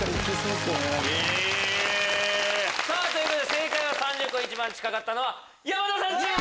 正解は３０個一番近かったのは山田さんチーム。